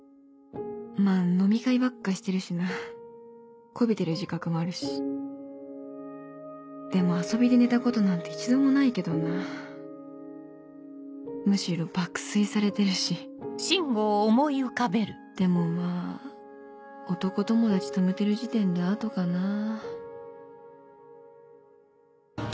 まぁ飲み会ばっかしてるしな媚びてる自覚もあるしでも遊びで寝たことなんて一度もないけどなむしろ爆睡されてるしでもまぁ男友達泊めてる時点でアウトかなぁ